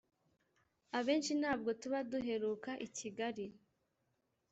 Abenshi ntabwo tuba duheruka i Kigali